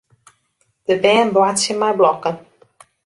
De bern boartsje mei blokken.